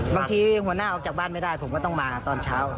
หัวหน้าออกจากบ้านไม่ได้ผมก็ต้องมาตอนเช้า